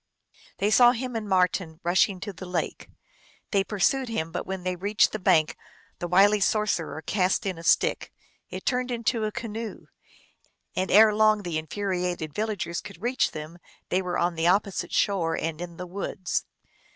They saw him and Marten rushing to the lake. They pursued him, but when he reached the bank the wily sorcerer cast in a stick ; it turned into a canoe, and long ere the infuriated villagers could reach them they were on the opposite shore and in the woods.